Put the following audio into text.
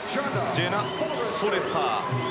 ジェナ・フォレスター。